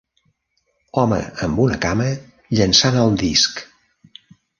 Home amb una cama llançant el disc.